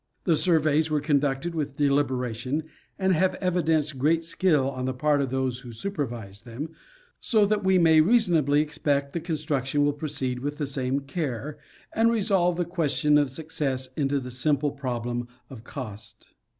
The surveys were con ducted with deliberation and have evidenced great skill on the part of those who supervised them, so that we may reasonably expect the construction will proceed with the same care, and re solve the question of success into the simple problem of cost.